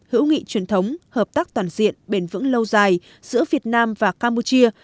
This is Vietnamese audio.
hữu nghị truyền thống hợp tác toàn diện bền vững lâu dài giữa việt nam và campuchia